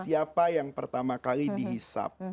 siapa yang pertama kali dihisap